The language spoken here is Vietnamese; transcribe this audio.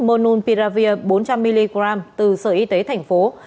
monopiravir bốn trăm linh mg từ sở y tế tp hcm